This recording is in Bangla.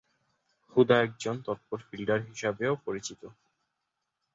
হুদা একজন তৎপর ফিল্ডার হিসাবেও পরিচিত।